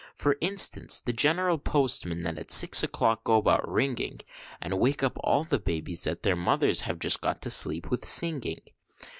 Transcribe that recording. For instance, the general postmen, that at six o'clock go about ringing, And wake up all the babbies that their mothers have just got to sleep with singing.